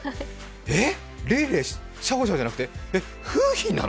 えっ、レイレイ、シャオシャオじゃなくてえ、楓浜なの？